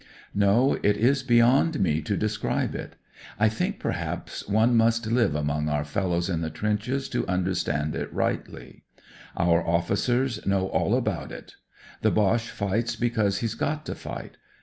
" No, it is beyond me to describe it. I think, perhaps, one must live among our fellows in the trenches to under Ill 116 A REVEREND CORPORAL stand it rightly. Our officers know all about it. The Boche fights because he's got to fight.